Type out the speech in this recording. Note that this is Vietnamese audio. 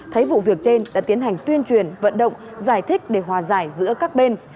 thấy vụ việc trên đã tiến hành tuyên truyền vận động giải thích để hòa giải giữa các bên